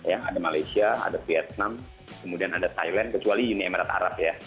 ada malaysia ada vietnam kemudian ada thailand kecuali uni emirat arab ya